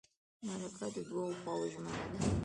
مرکه د دوو خواوو ژمنه ده.